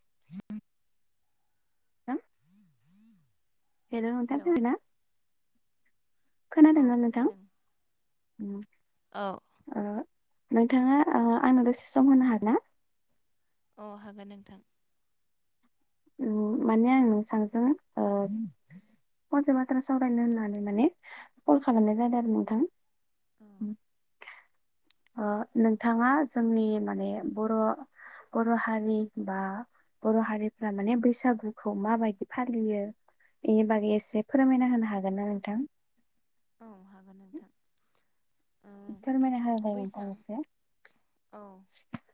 [unintelligible] Hello नोंथां खोनादोना? औ खोनादोंना नोंथां खोनादों ओम औ ओ। नोंथाङा आंनाव द'से सम होनो हागोन ना? अ हागोन नोंथां। उम माने आं नोंसांजों ओ फंसे बाथ्रा सावरायनो होननानै माने कल औ खालामनाय जादों आरो नोंथां। औ ओ नोंथाङा जोंनि माने बर' बर' हारि बा बर' हारि माने बैसागुखौ माबायदि फालियो। एनि बागै एसे फोरमायना होनो हागोन ना नोंथां? औ हागोन नोंथां। ओ थारमाने बैसाग [unintelligible]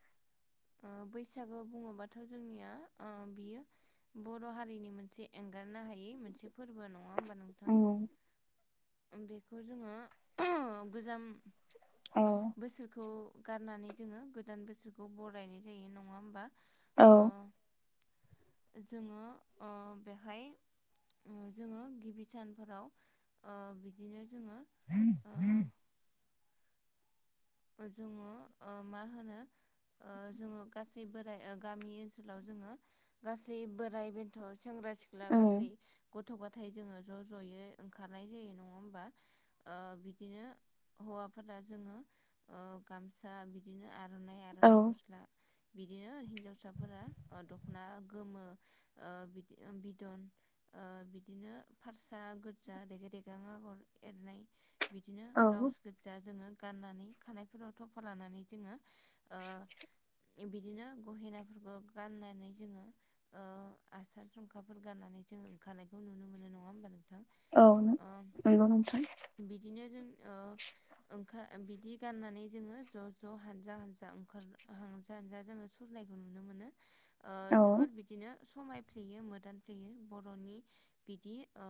बैसागो बुङोबाथ' जोंनिया ओ बियो बर' हारिनि मोनसे एंगार नो हायि मोनसे फोरबो नङा होनबा नोंथां? उम बेखौ जोङो गोजाम औ बोसोरखौ गारनानै जोङो गोदान बोसोरखौ बरायनाय जायो नङा होमबा? औ। ओ जोङो ओ बेहाय उम जोङो गिबि सानफोराव ओ बिदिनो जोङो ओ जोङो ओ मा होनो ओ जोङो गासै बोराइ ओ गामि ओनसोलाव जोङो गासै बोराय बेन्थ' सेंग्रा सिख्ला उम गासै गथ गथ'गाथाय जोङो ज' ज'यै ओंखारनाय जायो नङा होमबा ओ बिदिनो हौवाफोरा जोङो ओ गामसा बिदिनो आर'नाइ औ आर'नाइ गस्ला। बिदिनो हिन्जावसाफोरा ओ दख'ना गोमो ओ बिदिनो बिदन। ओ बिदिनो फारसा गोजा रेगे रेगां आगर एरनाय बिदिनो औ ब्लाउस गोजा जोङो गाननानै खानायफोराव थफा लानानै जोङो ओ [unintelligible] बिदिनो गहेनाफोरखौ गाननानै जोङो ओ आसान संखाफोर गाननानै जों ओंखारनायखौ नुनो मोनो नङा होनबा नों औ ओ नंगौ नोंथां बिदिनो जों ओ ओंखा बिदि गाननानै जोङो ज' ज' हानजा हानजा ओंखार हानजा हानजा जोङो सुरनायखौ नुनो मोनो। ओ जोबोर बिदिनो समायफ्लेयो मोदानफ्लेयो बर'नि बिदि ओ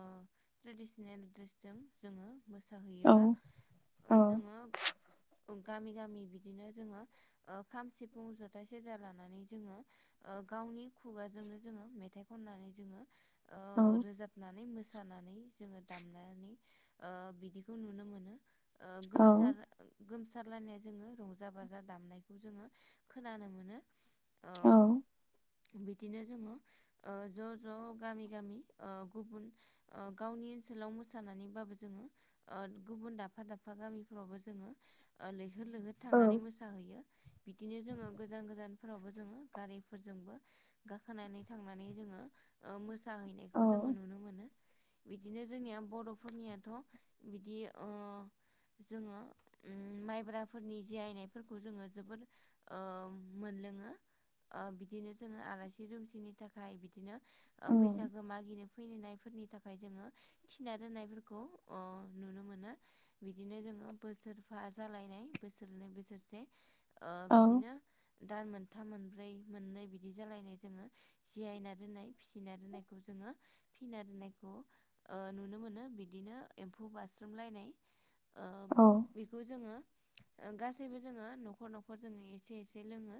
ट्रेडिसनेल द्रेसजों जोङो मोसाहैयोबा ओ जोङो गामि गामि बिदिनो जोङो ओ खाम सिफुं जथाय सेरजा लानानै जोङो ओ ओ गावनि खुगाजोंनो जोङो मेथाइ खननानै जोङो ओ रोजाबनानै मोस [unintelligible] जोङो दामनानै ओ बिदिखौ नुनो मोनो। ओ गोमसार गोमसारलायनाय जोङो रंजा बाजा दामनायखौ जोङो खोनानो मोनो। ओं। बिदिनो जोङो ओ ज' ज' गामि गामि ओ गुबुन ओ गावनि ओनसोलाव मोसानानैबाबो जोङो ओ गुबुन दाबफा दाबफा गामिफ्रावबो जोङो ओ लैहोर लैहोर थांनानै मोसाहैयो बिदिनो जोङो गोजान गोजान फोरावबो जोङो गारिफोरजोंबो गाखोनानै थांनानै जोङो ओ मोसाहैनायखौ जों [unintelligible] बिदिनो जोंनिया बर'फोरनियाथ' बिदि ओ- जोङो। ओम माइब्राफोरनि जिरायनायफोरखौ जोङो जोबोर ओ- मोनलोङो। ओ-बिदिनो जोङो आलासि दुमसिनि थाखाय बिदिनो ओ-बैसागो मागिनो। फैनायफोरनि थाखाय जोङो थिना दोननायफोरखौ ओ- नुनो मोनो बिदिनो जों। बोसोरफा जालायनाय बोसोरनै बोसोरसे ओ- बिदिनो। दान मोनथाम मोनब्रै मोननै बिदि जालायनाय जोङो जियायना दोननाय। फिसिना दोननायखौ जोङो। फिना दोनायखौ ओ-नुनो मोनो बिदिनो एम्फौ बास्रोमलायनाय ओ- औ बेखौ जोङो ओ-गासैबो जोङो न'खर न'खर जोङो एसे एसे लोङो।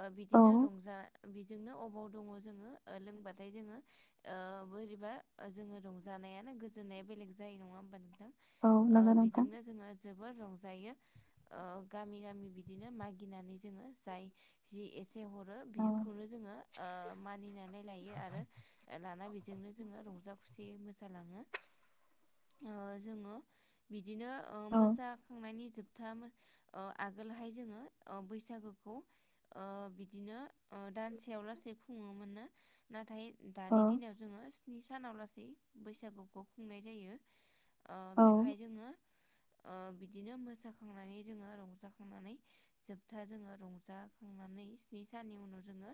ओ-बिदिनो रंजा बि जोंनो अबाव दङ जोङो ओ-लोंबाथाय जोङो ओ- बोरैबा ओ-जोङो रंजानायानो गोजोननाया बेलेग जायो नङा होमबा नोंथां? ओ-बिदिजोंनो जोङो जोबोर रंजायो ओ-गामि गामि बिदिनो मागिनानै जोङो जाय जि इसे। हरो बिखौनो जोङो ओ- मानिनानै लायो आरो लाना बि जोंजोंनो जोङो रंजा खुसियै मोसा लाङो ओ-जोङो बि बिदिनो ओ-मोस खांनायनि जोबथा ओ-आगोलहाय जोङो ओ-बैसागोखौ ओ-बिदिनो। ओ-दानसेयाव लासै खुङोमोननो नाथाय दानि दिनाव जोङो स्नि। सानाव लासै बैसागुखौ खुंनाय जायो ओ-बेहाय जोङो। ओ-बिदिनो मोसाखांनानै जोङो रंजाखांनानै जोबथा जोङो रंजाखांनानै। स्नि साननि उनाव जोङो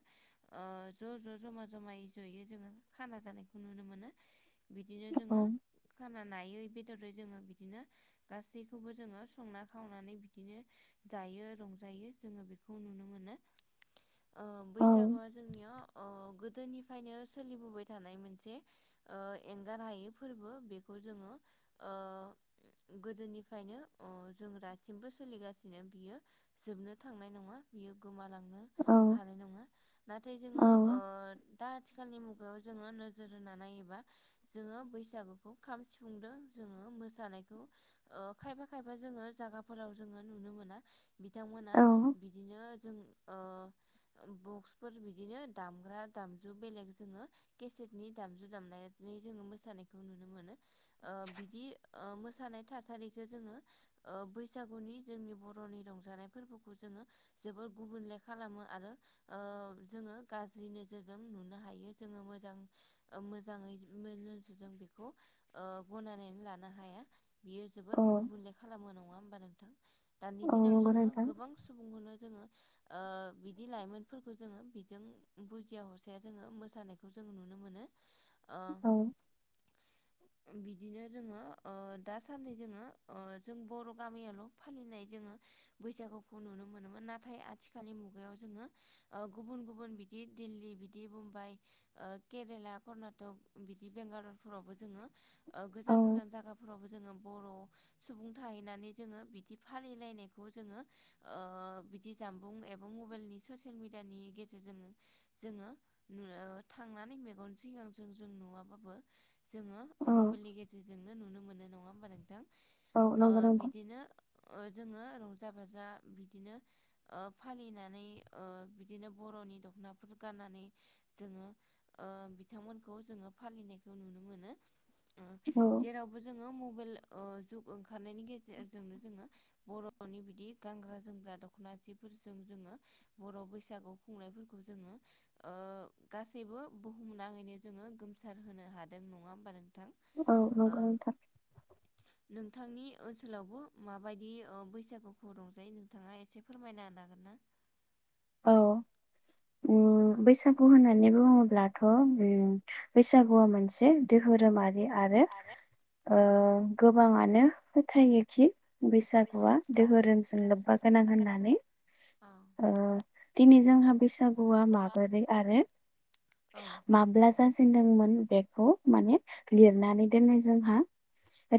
ओ-ज' ज' ज'मा जमायै जयै जोङो खाना जानायखौ नुनो मोन [inaudible] बिदिनो जोङो खाना नायै बेदरै जोङो बिदिनो। गासैखौबो जोङो संना खावनानै बिदिनो जायो रंजायो जोङो बेखौ नुनो मोनो। [inaudible] ओ-बैसागुआ जोंनिया ओ-गो गोदोनिफ्रायनो सोलिबोबाय थानाय मोनसे ओ-एंगार हायै फोरबो बेखौ जोङो। ओ [inaudible] गोदोनिफ्रायनो ओ- जों दासिमबो सोलिगासिनो बियो जोबनो थांनाय नङा बियो। गोमालांनो हानाय नङा नाथाय जोङो ओ-दा आथिखालनि मु गायाव जोङो नोजोर होनानै नायोबा जोङो बैसागुखौ खाम सिफुंदों जोङो मोसानाय ओ-खायफा खायफा जोङो जायागाफोराव जोङो नुनो मोना। बिथांमोना बिदिनो जों ओ [inaudible] बक्सफोर बिदिनो दामग्रा दामजु बेलेग जोङो केसेटनि दामजु दामनायनै। जोङो मोसानायखौ नुनो मोनो ओ व-बिदि ओ-मोसा थानाय थासारिखौ जोङो ओ-बैसागुनि जोंनि बर'नि रंजानाय फोरबोखौ जोङो। जोबोर गुबुनले खालामो आरो ओ-जोङो गाज्रि नोजोरजों नुनो हायो जोङो मो जां ओ-मोजाङै मो नोजोरजोंजों बेखौ ओ-गनायनानै ला बियो जोबोद गुबुनले खालामो नङा होमबा नोंथां? दानि दिनाव जोङो गोबां सुबुंखौनो जोङो। ओ-बिदि लाइमोनफोरखौ जोङो बेजों बुजिया हरसिया जोङो मोसानायखौ जों नुनो। [inaudible] ओ-बिदिनो जोङो ओ- दासान्दि जोङो ओ-जों बर' गामियावल' फालिनाय जोङो बैसागुखौ नुनो मोनोमोन। नाथाय आथिखालनि मुगायाव जोङो ओ-गुबुन गुबुन बिदि दिल्ली बिदि मुम्बाइ - ओ-केरेला कर्नाटक बिदि बेंगालरफोरावबो जोङो ओ-गोजान गोजान जागाफोर जोङो बर' सुबुं थाहैनानै जोङो बिदि फालिलायनायखौ जोङो ओ- बिदि जामबुं एबा मबाइलनि ससियेल मिडियानि गेजेरजों जोङो ओ-थां थांनानै मेगन सिगांङाव जों जों नुवाबाबो जोंङो मबाइलनि गेजेरजोंनो नुनो मोनो नङा होमबा नोंथां बिदिनो जोंङो रंजा बाजा बिदिनो फालिनानै बिदिनो बर' नि दखनाफोर गाननानै जोंङो बिथांमोनखौ जोंङो फालिनायखौ नुनो मोनो जेरावबो जोंङो मबाइल जौ ओखारनायनि गेजेरजोंनो जोंङो बर'नि बिदि गानग्रा जोमग्रा दखना जिफोरजों जोंङो बर' बैसागु खुंनायफोरखौ जोंङो गासैबो बुहुमनाङैनो जोंङो गोमसार होनो हादों नङा होमबा नोंथां औ ओ नंगौ नोंथां नोंथांनि ओनसोलावबो माबायदि बैसागुफोर रंजायो नोंथाङा एसे फोरमायना होनो हागोन ना? औ उम बैसागु होननानै बुङोब्लाथ बैसागुआ मोनसे दोहोरोम आ आरो ओ गोबांङानो फोथायोखि बैसागुआ धोहोरोमजों लोब्बा गोनां होननानै होन बैसागु गस्ला माबोरै आरो माब्ला जा दोंमोन बेखौ माने लिरनानै दोननाय जोंहा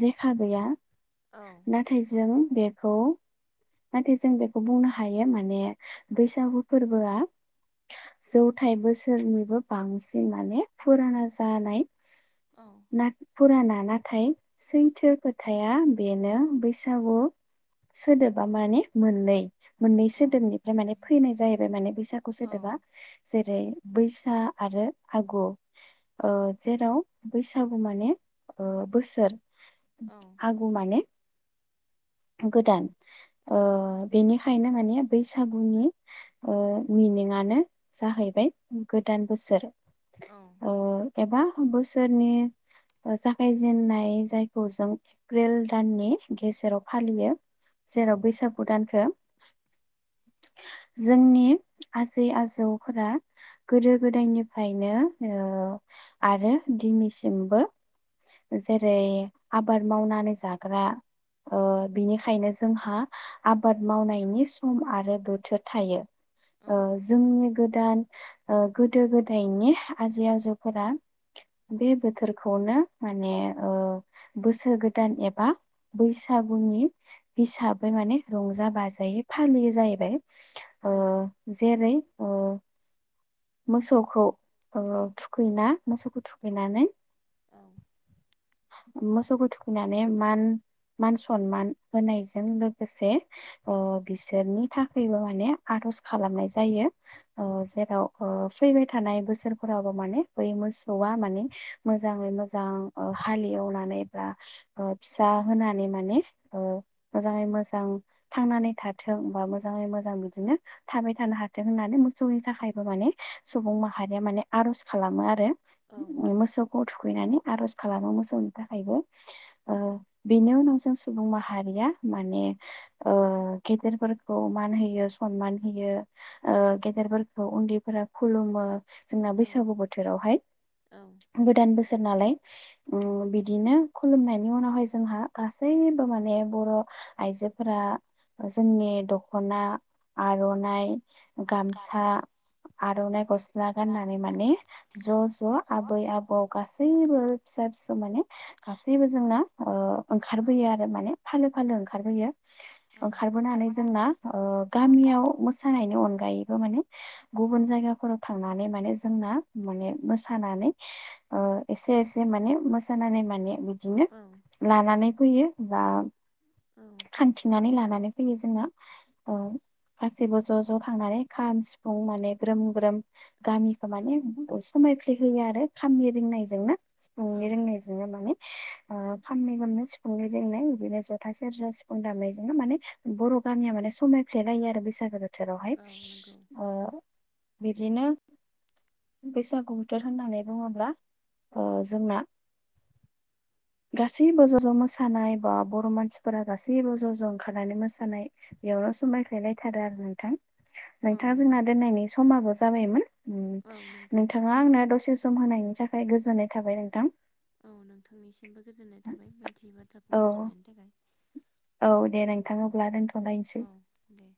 रेखा गैया नाथाय जों बेखौ नाथाय जों बेखौ बुंनो हायो माने बैसागु फोरबोआ जौथाइ बोसोरनिबो बांसिन माने फुराना जानाय ना फुराना नाथाय सैथो खोथाया बेनो बैसागु सोदोब माने मोननै मोननै सोदोबनिफ्राय माने फैनाय जाहैबाय माने बैसागु सोदोबा जेरै बैसा आरो आगु ओ जेराव बैसागु माने बोसोर आगु माने गोदान बेनिखायनो माने बैसागुनि ओ मिनिंङानो जाहैबाय गोदान बोसोर एबा बोसोरनि जागायजेनाय जायखौ जों एप्रिल दाननि गेजेराव फालियो जेराव बैसागु दानखो जोंनि आजै आजौफोरा गोदो गोदायनिफ्रायनो आरो दिनैसिमबो जेरै आबाद मावनानै जाग्रा बिनिखायनो जोंहा आबाद मावनायनि सम आरो बोथोर थायो ओ जोंनि गोदान गोदो गोदायनि आजै आजौफोरा बे बोथोरखौनो माने बोसोर गोदान एबा बैसो बैसागुनि हिसाबै माने रंजा बाजायै फालियो जाहैबाय जेरै ओ मोसौखौ थुखैना मोसौखौ थुखैनानै औ मोसौखौ थुखैनानानै मान मान सनमान होनायजों लोगोसे बिसोरनि थाखायबो माने आर [unintelligible] खालामनाय जायो जेराव फैबाय थानाय बोसोरफोरावबो माने बै मोसौआ मानि मोजांङै मोजां हालेवनानै बा फिसा होनानै माने मोजांङै मोजां थांनानै थाथों बा मोजांङै मोजां बिदिनो थाबाय थानो हाथों होननानै मोसौनि थाखाय माने सुबुं माहारिया माने आरज खालामो आरो मोसौखौ थुखैनानै आरज खालामो मोसौनो थाखायबो बेनि उनाव जों सुबुं माहारिया माने ओ गेदेरफोरखौ मान होयो सनमान होयो ओ गेदेरफोरखौ उन्दैफोरा खुलुमो जोंना बैसागु बोथोरावहाय गोदान बोसोर नालाय ओम बिदिनो खुलुमनायनि उनावहाय जोंहा गासैबो माने बर' आइजोफोरा जोंनि दख'ना आर'नाइ गामसा आरो आर'नाय गस्ला गाननानै माने ज' ज' आबै आबौ गासैबो गासै फिसा फिसौ माने गासैबो जोंना औ ओंखारबोयो आरो माने फालो फालो ओंखारबोयो। औ ओंखारबोनानै खारबोनानै जोंना गामियाव गामि मोसानायनि अनगायैबो माने औ गुबुन जायगाफोराव थां नानै माने जोंना माने मोसानानै एसे एसे माने मोसानानै माने बि बिदिनो औ लानानै फैयो बा औ खान्थिनानै लानानै फैयो जोंना ओ औ गासैबो ज' ज' थांनानै खाम सिफुं माने ग्रोम ग्रोम गामिखौ औ माने समायफ्लेहोयो आरो खामनि रिंनायजोंनो। औ सिफुंनि रिंनायजोंनो माने ओ खामनि गोमनाय सिफुंनि रिंनाय बिदिनो जथा से सेरजा सिफुं दामनायजोंनो माने बर' गामिया माने समायफ्लेलायो आरो बैसागो बोथोरावहाय औ नंगौ ओ बिदिनो बैसागु बोथोर होननानै बुङोब्ला ओ जोंना गासैबो ज' ज' मोसानाय बा बर' मानसिफोरा गासैबो ज' ज' ओंखारनानै मोसानाय बेयाव समायफ्लेलायथारो आरो नोंथां औ नोंथाङा जोंना नंगौ दोननायनि समाबो जाबायमोन औ नंगौ नोंथाङा आंनो दसे सम होनायनि थाखाय गोजोननाय थाबाय नोंथां। औ नोंथांनिसिमबो गोजोननाय थाबाय मोनथियै औ बाथ्राखौ मोनथिनायनि थाखाय। औ दे नोंथा अब्ला दोनथ'लायसै। औ दे